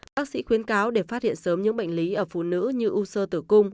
bác sĩ khuyến cáo để phát hiện sớm những bệnh lý ở phụ nữ như u sơ tử cung